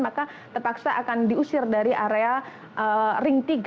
maka terpaksa akan diusir dari area ring tiga